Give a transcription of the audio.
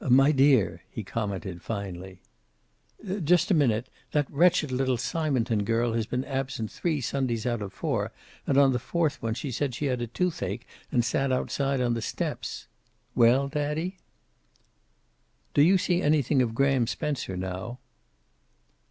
"My dear," he commented finally. "Just a minute. That wretched little Simonton girl has been absent three Sundays out of four. And on the fourth one she said she had a toothache and sat outside on the steps. Well, daddy?" "Do you see anything of Graham Spencer now?"